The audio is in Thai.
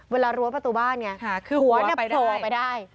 รั้วประตูบ้านไงคือหัวเนี่ยโผล่ไปได้